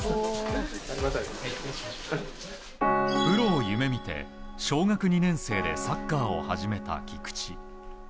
プロを夢見て小学２年生でサッカーを始めた菊池。